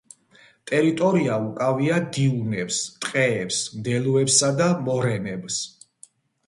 ტერიტორია უკავია დიუნებს, ტყეებს, მდელოებსა და მორენებს.